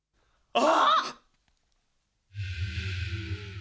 あ？